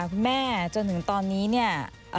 คุณแม่จนถึงตอนนี้เนี่ย